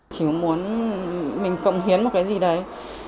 chỉ muốn mình cộng hiến một cái gì đấy